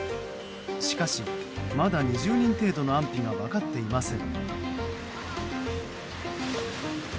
しかし、まだ２０人程度の安否が分かっていません。